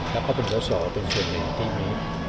แล้วก็สมแสส่วนหนึ่งที่มี